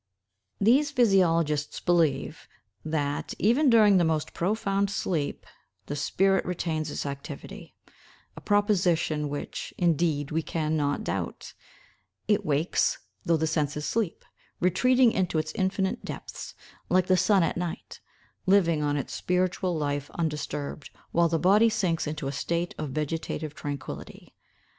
These physiologists believe, that, even during the most profound sleep, the spirit retains its activity, a proposition which, indeed, we can not doubt; "it wakes, though the senses sleep, retreating into its infinite depths, like the sun at night; living on its spiritual life undisturbed, while the body sinks into a state of vegetative tranquillity.